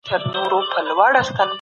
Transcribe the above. دا انځور پر دیوال باندي کښل سوی دی.